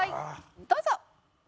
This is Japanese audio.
どうぞ。